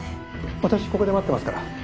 私ここで待ってますから。